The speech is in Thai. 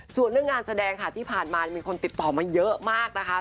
ส่วนเรื่องงานแสดงค่ะที่ผ่านมามีคนติดต่อมาเยอะมากนะคะ